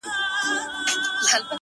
بیا به دی او خپله توره طویله سوه،